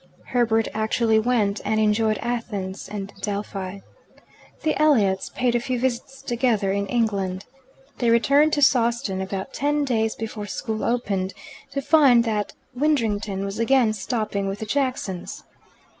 Herbert actually went, and enjoyed Athens and Delphi. The Elliots paid a few visits together in England. They returned to Sawston about ten days before school opened, to find that Widdrington was again stopping with the Jacksons.